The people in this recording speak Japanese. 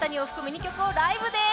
２曲をライブです